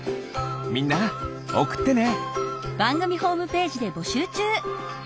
みんなおくってね！